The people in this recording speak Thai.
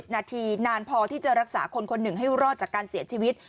นาทีนานพอที่จะรักษาคนคนหนึ่งให้รอดจากการเสียชีวิต